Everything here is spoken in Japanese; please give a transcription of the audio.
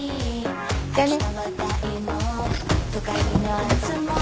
じゃあね。